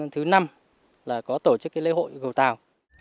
thứ năm là có tổ chức lễ hội cầu tàu